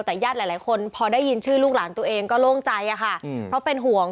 แต่ญาติหลายคนพอได้ยินชื่อลูกหลานตัวเองก็โล่งใจอะค่ะเพราะเป็นห่วง